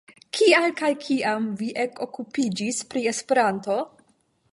Kial kaj kiam vi ekokupiĝis pri Esperanto?